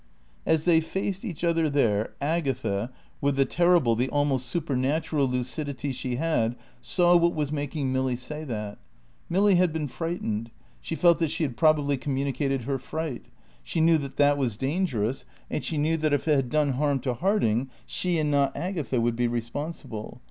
As they faced each other there, Agatha, with the terrible, the almost supernatural lucidity she had, saw what was making Milly say that. Milly had been frightened; she felt that she had probably communicated her fright; she knew that that was dangerous, and she knew that if it had done harm to Harding, she and not Agatha would be responsible.